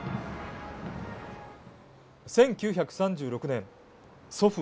１９３６年祖父